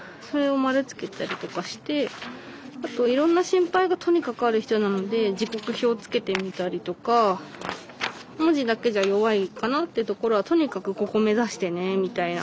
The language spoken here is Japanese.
あといろんな心配がとにかくある人なので時刻表つけてみたりとか文字だけじゃ弱いかなってところはとにかくここ目指してねみたいな。